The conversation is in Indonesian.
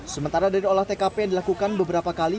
sementara dari olah tkp yang dilakukan beberapa kali